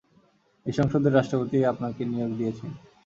এই সংসদের রাষ্ট্রপতিই আপনাকে নিয়োগ দিয়েছেন।